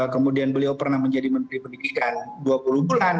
kemudian beliau pernah menjadi menteri pendidikan dua puluh bulan